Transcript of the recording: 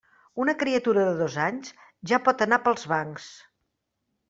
Una criatura de dos anys, ja pot anar pels bancs.